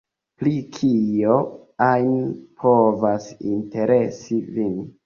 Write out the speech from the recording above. Pri kio ajn povas interesi vin.